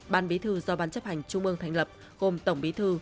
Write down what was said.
ban bí thư do ban chấp hành trung ương thành lập gồm tổng bí thư